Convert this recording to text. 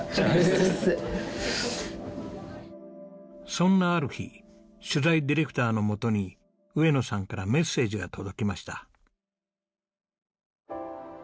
そんなある日取材ディレクターのもとに上野さんからメッセージが届きました。